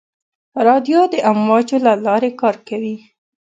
رادیو د امواجو له لارې کار کوي.